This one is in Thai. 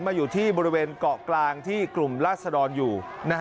อยู่ที่บริเวณเกาะกลางที่กลุ่มราศดรอยู่